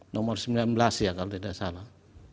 nomor sembilan belas ya kalau tidak salah